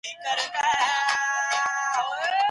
که يو څوک په فاضله ښار کي اوسيږي نو هغه به ډېر بختور وي.